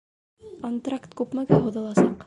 Антракт күпмегә һуҙыласаҡ?